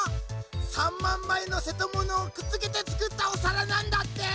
３まんまいのせとものをくっつけてつくったおさらなんだって！